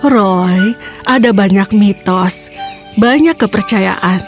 roy ada banyak mitos banyak kepercayaan